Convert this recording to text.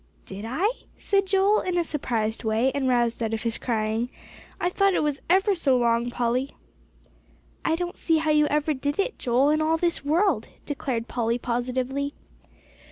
"Did I?" said Joel in a surprised way, and roused out of his crying; "I thought it was ever so long, Polly." "I don't see how you ever did it, Joel, in all this world," declared Polly positively.